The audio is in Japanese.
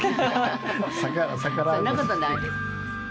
そんな事ないです。